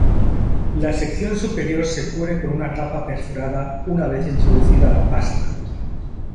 La sección superior se cubre con una tapa perforada una vez introducida la pasta.